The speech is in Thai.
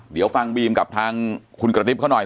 เดี๋ยวฟังบีมกับทางคุณกระติ๊บเขาหน่อย